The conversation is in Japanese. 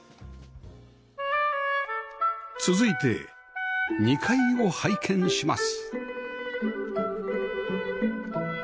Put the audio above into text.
続いて２階を拝見します